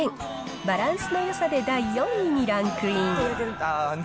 バランスのよさで第４位にランクイン。